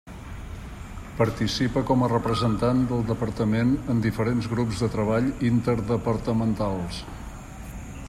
Participa com a representant del Departament en diferents grups de treball interdepartamentals.